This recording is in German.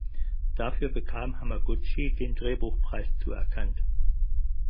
Dafür bekam Hamaguchi den Drehbuchpreis zuerkannt.